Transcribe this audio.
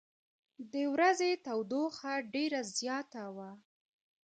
د ورځې تودوخه ډېره زیاته وه.